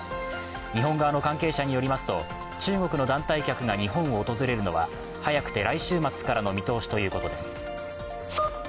日本側の関係者によりますと、中国の団体客が日本を訪れるのは早くて来週末からの見通しということです。